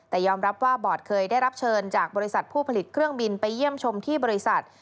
แต่ยอมรับว่าบอร์ดเคยได้รับเชิญจากบริษัทผู้ผลิตเครื่องบินไปเยี่ยมชมที่บริษัท